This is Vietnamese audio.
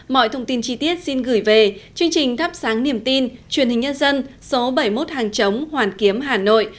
mọi thông tin chi tiết xin gửi về chương trình thắp sáng niềm tin truyền hình nhân dân số bảy mươi một hàng chống hoàn kiếm hà nội